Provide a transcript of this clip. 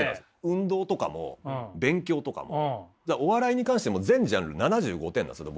運動とかも勉強とかもお笑いに関しても全ジャンル７５点なんですよ僕。